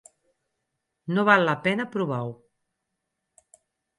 No val la pena provar-ho.